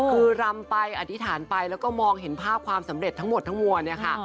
คือรำไปอธิษฐานไปแล้วก็มองเห็นภาพความสำเร็จทั้งหมดทั้งมวลเนี่ยค่ะ